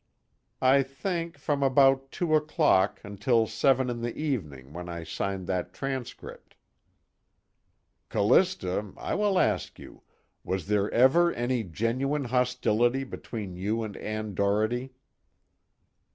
"I think, from about two o'clock until seven in the evening, when I signed that transcript." "Callista, I will ask you: was there ever any genuine hostility between you and Ann Doherty?"